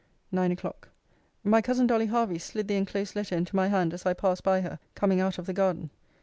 NINE O'CLOCK. My cousin Dolly Hervey slid the enclosed letter into my hand, as I passed by her, coming out of the garden.